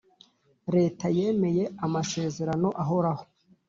Leta yemeye amasezerano ahoraho